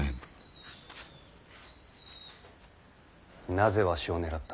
なぜわしを狙った？